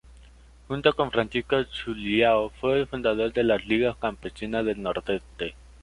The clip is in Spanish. Junto con Francisco Julião fue fundador de las 'Ligas Campesinas del Nordeste'.